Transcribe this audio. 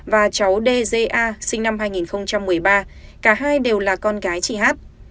và cháu dja sinh năm hai nghìn một mươi ba cả hai đều là con gái chị hát